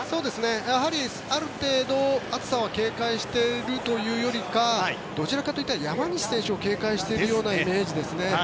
やはり、ある程度暑さは警戒しているというよりかどちらかといったら山西選手を警戒しているイメージですね。